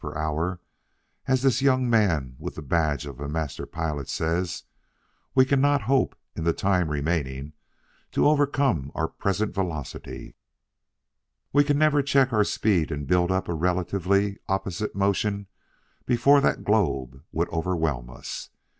per hour as this young man with the badge of a Master Pilot says, we cannot hope, in the time remaining, to overcome our present velocity; we can never check our speed and build up a relatively opposite motion before that globe would overwhelm us.